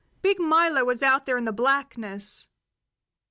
Big Milo was out there in the blackness.